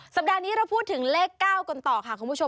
สัปดาห์นี้เราพูดถึงเลข๙กันต่อค่ะคุณผู้ชม